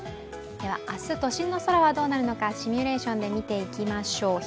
明日、都心の空はどうなるのかシミュレーションで見ていきましょう。